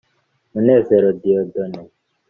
Munezero Dieudonne